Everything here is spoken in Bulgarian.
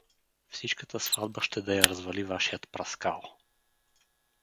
Всичката сватба ще да я развали вашият Праскал.